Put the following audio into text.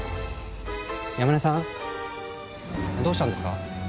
山根さんどうしたんですか？